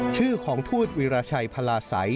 ชื่อของทูตวิราชัยพลาสัย